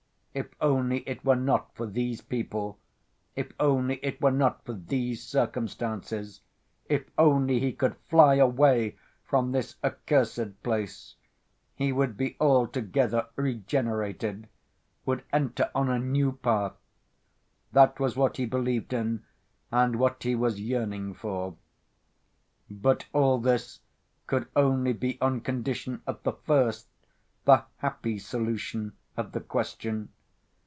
If only it were not for these people, if only it were not for these circumstances, if only he could fly away from this accursed place—he would be altogether regenerated, would enter on a new path. That was what he believed in, and what he was yearning for. But all this could only be on condition of the first, the happy solution of the question.